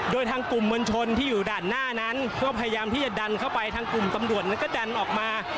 โดยทางกลุ่มมวลชนที่อยู่ด้านหน้านั้นก็พยายามที่จะดันเข้าไปทางกลุ่มตำรวจนั้นก็ดันออกมา